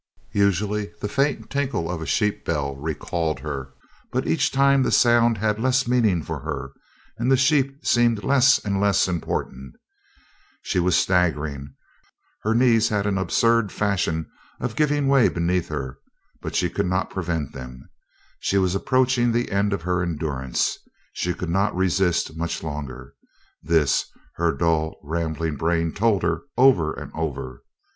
Usually the faint tinkle of a sheep bell recalled her, but each time the sound had less meaning for her, and the sheep seemed less and less important. She was staggering, her knees had an absurd fashion of giving way beneath her, but she could not prevent them. She was approaching the end of her endurance; she could not resist much longer this her dull rambling brain told her over and over.